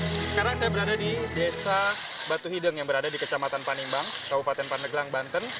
sekarang saya berada di desa batu hideng yang berada di kecamatan panimbang kabupaten pandeglang banten